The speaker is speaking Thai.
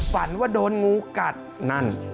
ฝันว่าโดนงูกัดนั่น